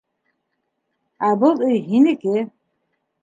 Ә был өй һинеке.